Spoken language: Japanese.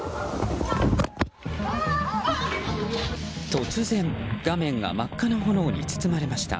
突然画面が真っ赤な炎に包まれました。